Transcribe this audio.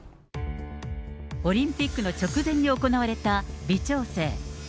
オリンピックの直前に行われた微調整。